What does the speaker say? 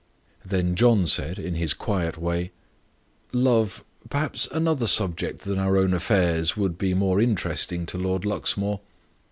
Then John said, in his quiet way, "Love, perhaps another subject than our own affairs would be more interesting to Lord Luxmore."